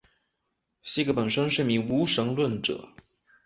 席格本身是名无神论者。